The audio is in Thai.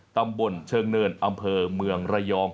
ตำบลเชิงเนินอำเภอเมืองระยอง